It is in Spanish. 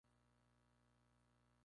Poseen comportamiento social.